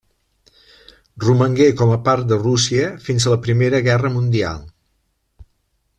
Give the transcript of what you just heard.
Romangué com a part de Rússia fins a la Primera Guerra Mundial.